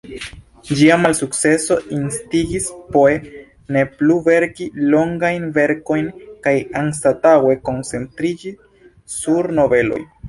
Ĝia malsukceso instigis Poe ne plu verki longajn verkojn, kaj anstataŭe koncentriĝi sur noveloj.